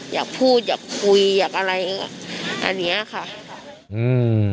อยากพูดอยากคุยอยากอะไรอันเนี้ยค่ะค่ะอืม